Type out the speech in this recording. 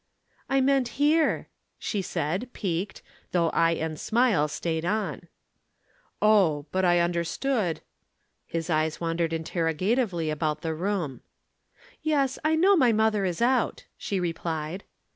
"I meant here," she said piqued, though the smile stayed on. "Oh, but I understood " His eyes wandered interrogatively about the room. "Yes, I know my mother is out," she replied.